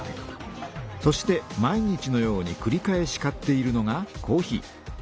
そして毎日のようにくり返し買っているのがコーヒー。